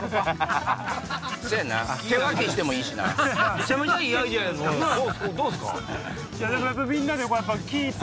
めちゃめちゃいいアイデアどうっすか？